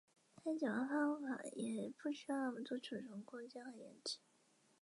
该简化方法也不需要那么多存储空间和延迟。